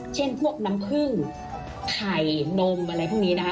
เช่นพวกน้ำผึ้งไข่นมอะไรพวกนี้นะคะ